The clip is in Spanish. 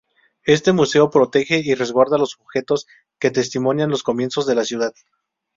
Este museo protege y resguarda los objetos que testimonian los comienzos de la ciudad.